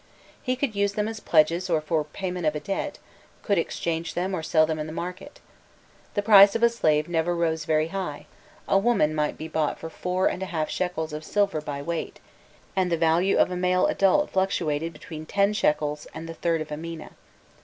He could use them as pledges or for payment of debt, could exchange them or sell them in the market. The price of a slave never rose very high: a woman might be bought for four and a half shekels of silver by weight, and the value of a male adult fluctuated between ten shekels and the third of a mina.